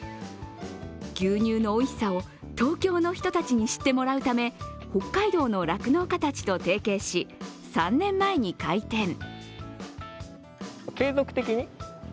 牛乳のおいしさを東京の人たちに知ってもらうため、北海道の酪農家たちと提携し、３年前に開店。